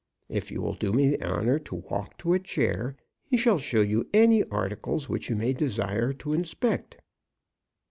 If you will do me the honour to walk to a chair, he shall show you any articles which you may desire to inspect."